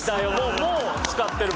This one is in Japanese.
もう使ってるもん。